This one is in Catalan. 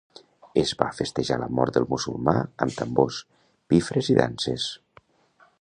Es va festejar la mort del musulmà amb tambors, pifres i danses.